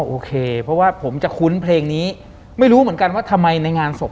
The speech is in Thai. โอเคเพราะว่าผมจะคุ้นเพลงนี้ไม่รู้เหมือนกันว่าทำไมในงานศพ